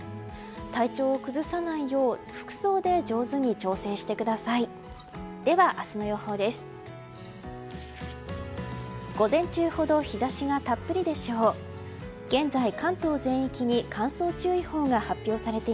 体調を崩さないよう服装で上手に調整してください。